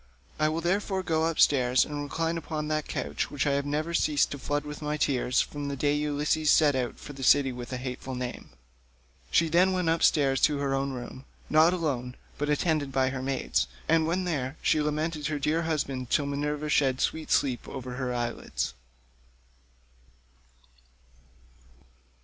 I will therefore go upstairs and recline upon that couch which I have never ceased to flood with my tears from the day Ulysses set out for the city with a hateful name." She then went upstairs to her own room, not alone, but attended by her maidens, and when there, she lamented her dear husband till Minerva shed sweet sleep over her eyelids.